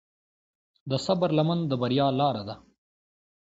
د صبر لمن د بریا لاره ده.